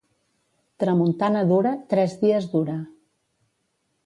Tramuntana dura, tres dies dura.